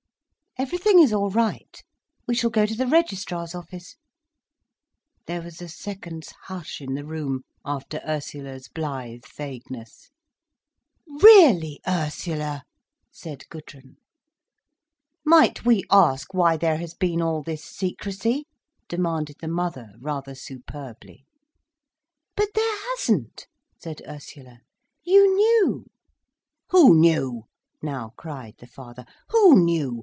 "Everything is all right—we shall go to the registrar's office—" There was a second's hush in the room, after Ursula's blithe vagueness. "Really, Ursula!" said Gudrun. "Might we ask why there has been all this secrecy?" demanded the mother, rather superbly. "But there hasn't," said Ursula. "You knew." "Who knew?" now cried the father. "Who knew?